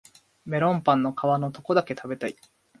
メロンパンの皮のとこだけ食べたい